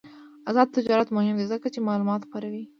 آزاد تجارت مهم دی ځکه چې معلومات خپروي.